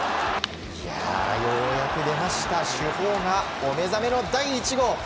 ようやく出ました主砲がお目覚めの第１号。